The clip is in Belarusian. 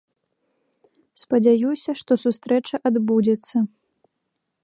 Спадзяюся, што сустрэча адбудзецца.